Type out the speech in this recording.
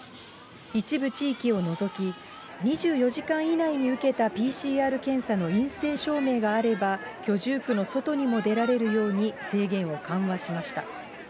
一部地域を除き、２４時間以内に受けたＰＣＲ検査の陰性証明があれば、居住区の外にも出られるように制限を緩和しました。